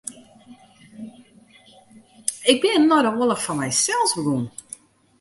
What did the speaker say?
Ik bin nei de oarloch foar mysels begûn.